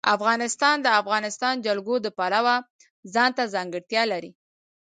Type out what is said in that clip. افغانستان د د افغانستان جلکو د پلوه ځانته ځانګړتیا لري.